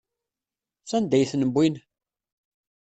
Sanda ay ten-wwin?